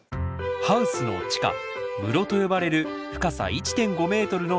ハウスの地下「室」と呼ばれる深さ１．５ｍのスペースです。